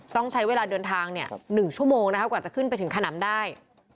ต้องใช้เวลาเดินทาง๑ชั่วโมงนะครับกว่าจะขึ้นไปถึงขนำได้